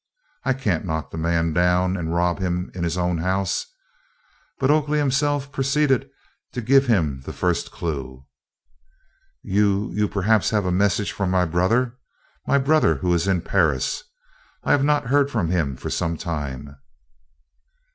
I can't knock the man down and rob him in his own house." But Oakley himself proceeded to give him his first cue. "You you perhaps have a message from my brother my brother who is in Paris. I have not heard from him for some time."